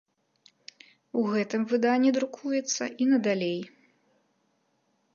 У гэтым выданні друкуецца і надалей.